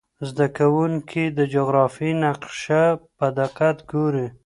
زده کوونکي د جغرافیې نقشه په دقت ګوري.